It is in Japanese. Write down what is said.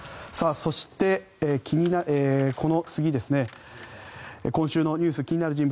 そして、この次今週のニュース気になる人物